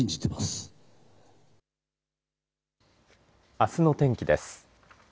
あすのお天気です。